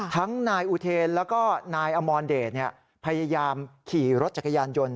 ทั้งนายอุเทนแล้วก็นายอมรเดชพยายามขี่รถจักรยานยนต์